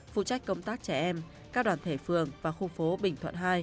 phụ trách công tác trẻ em các đoàn thể phường và khu phố bình thuận hai